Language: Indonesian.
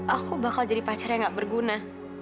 aku bakal jadi pacar yang gak berguna